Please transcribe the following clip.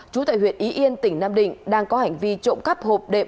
chú tại huyện ý yên tỉnh nam định đang có hành vi trộm cắp hộp đệm